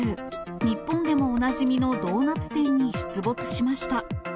日本でもおなじみのドーナツ店に出没しました。